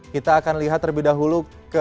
kita akan lihat terlebih dahulu ke